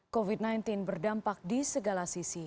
covid sembilan belas berdampak di segala sisi